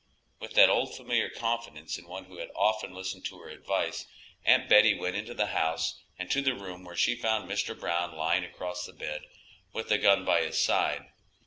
With that old familiar confidence in one who had often listened to her advice, Aunt Betty went into the house and to the room where she found Mr. Brown lying across the bed, with the gun by his side.